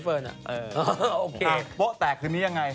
เฟิร์น